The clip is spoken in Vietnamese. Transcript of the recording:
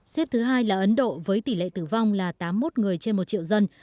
xếp thứ hai là ấn độ với tỷ lệ tử vong là tám mươi một người trên một triệu dân